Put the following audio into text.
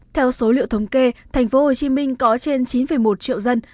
theo số liệu thống kê thành phố hồ chí minh có trên chín một triệu dân